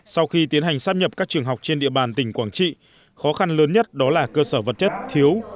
sau khi tiến hành sắp nhập các trường học trên địa bàn tỉnh quảng trị khó khăn lớn nhất đó là cơ sở vật chất thiếu